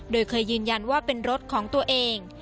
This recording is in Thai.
โดยเคยยืนยันว่าเป็นรถของตัวเอง